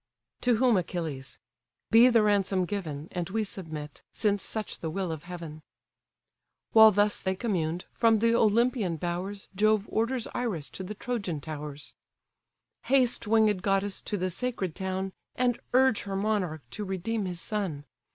To whom Achilles: "Be the ransom given, And we submit, since such the will of heaven." While thus they communed, from the Olympian bowers Jove orders Iris to the Trojan towers: "Haste, winged goddess! to the sacred town, And urge her monarch to redeem his son.